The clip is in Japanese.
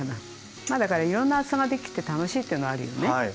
まあだからいろんな厚さができて楽しいっていうのはあるよね。